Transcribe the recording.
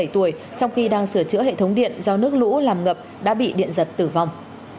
một mươi tuổi trong khi đang sửa chữa hệ thống điện do nước lũ làm ngập đã bị điện giật tử vong